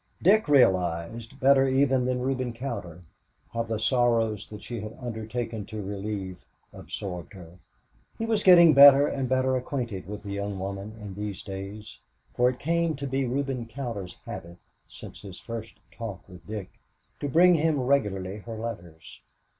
Dick realized, better even than Reuben Cowder, how the sorrows that she had undertaken to relieve absorbed her. He was getting better and better acquainted with the young woman in these days, for it came to be Reuben Cowder's habit, since his first talk with Dick, to bring him regularly her letters.